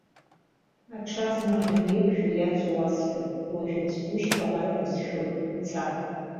Аҽазны ҳанеиқәшәо иацу уасҳәап, уажәы аӡәы душьҭалар ҳәа сшәоит, уца!